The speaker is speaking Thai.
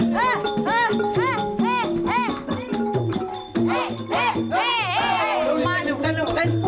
เต้นเร็วเต้นเร็วเต้น